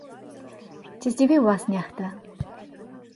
Ці здзівіў вас нехта?